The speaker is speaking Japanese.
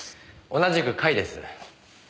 同じく甲斐です。